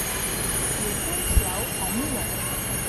Le dongxiao a mille ans.